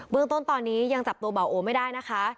เมืองต้นตอนนี้ยังจับตัวเบาโอไม่ได้นะคะ